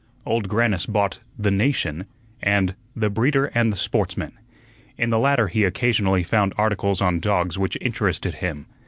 Old Grannis bought the "Nation" and the "Breeder and Sportsman." In the latter he occasionally found articles on dogs which interested him.